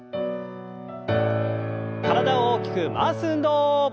体を大きく回す運動。